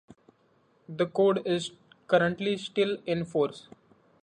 The code is currently still in force.